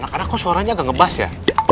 anak anak kok suaranya agak ngebas ya